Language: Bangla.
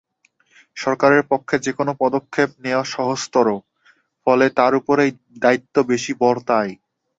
সরকারের পক্ষে যেকোনো পদক্ষেপ নেওয়া সহজতর, ফলে তার ওপরেই দায়িত্ব বেশি বর্তায়।